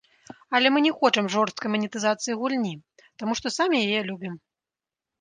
Але мы не хочам жорсткай манетызацыі гульні, таму што самі яе любім.